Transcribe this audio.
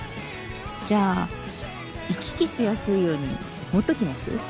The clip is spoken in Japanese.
じゃあ行き来しやすいように持っときます？